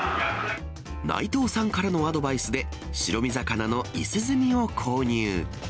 内藤さんからのアドバイスで、白身魚のイスズミを購入。